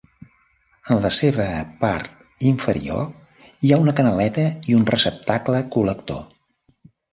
En la seva part inferior hi ha una canaleta i un receptacle col·lector.